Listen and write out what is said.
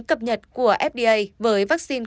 cập nhật của fda với vaccine